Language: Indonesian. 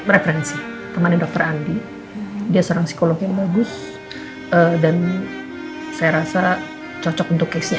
referensi teman dokter andi dia seorang psikolog yang bagus dan saya rasa cocok untuk kesnya